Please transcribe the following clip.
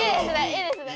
いいですね。